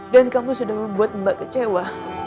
dan kamu sudah membuat mbak kecewa